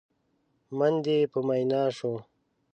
من دې په مينا شو؟!